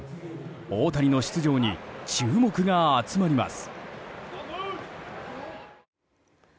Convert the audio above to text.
大谷の出場に注目が集まります。